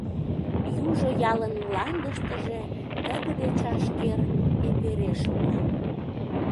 Южо ялын мландыштыже тыгыде чашкер эпере шога.